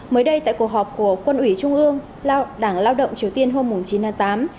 mới đây tại cuộc họp của quân ủy trung ương đảng lao động triều tiên hôm chín tháng tám